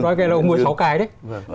nói nghe là ủng hộ sáu cái đấy